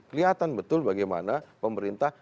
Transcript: kelihatan betul bagaimana pemerintah